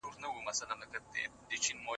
ماهم جانانه بل ته نه کتل